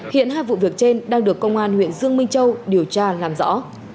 hiện hai vụ việc trên đang được công an huyện dương minh châu điều tra làm rõ